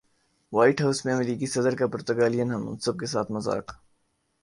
white house میں امریکی صدر کا پرتگالین ہم منصب کے ساتھ مذاق